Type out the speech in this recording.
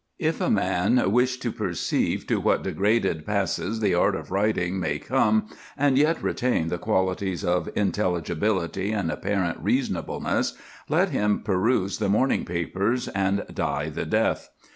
If a man wish to perceive to what degraded passes the art of writing may come and yet retain the qualities of intelligibility and apparent reasonableness, let him peruse the morning papers and die the death.